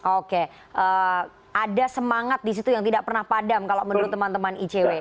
oke ada semangat di situ yang tidak pernah padam kalau menurut teman teman icw